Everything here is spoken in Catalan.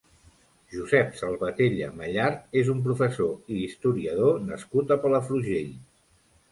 Josep Salvatella Mallart és un professor i historiador nascut a Palafrugell.